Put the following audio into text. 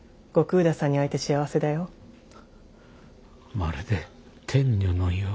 まるで天女のよう。